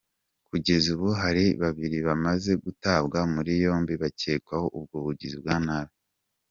Kugeza ubu hari babiri bamaze gutabwa muri yombi bakekwaho ubwo bugizi bwa nabi.